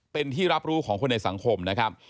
เป็นที่รับรู้ของคนในสังคมนะครับ